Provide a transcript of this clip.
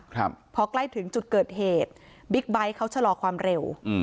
ครับพอใกล้ถึงจุดเกิดเหตุบิ๊กไบท์เขาชะลอความเร็วอืม